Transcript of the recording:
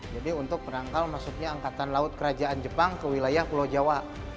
jadi untuk menangkal maksudnya angkatan laut kerajaan jepang ke wilayah pulau jawa